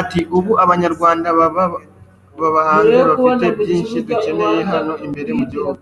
Ati “Ubu abanyarwanda baba hanze bafite byinshi dukeneye hano imbere mu gihugu.